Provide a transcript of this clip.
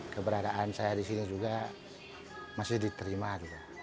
keberadaan saya di sini juga masih diterima juga